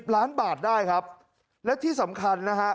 ล้านบาทได้ครับและที่สำคัญนะฮะ